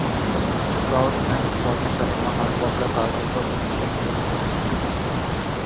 Trout and sockeye salmon are popular targets for fishing in Stehekin.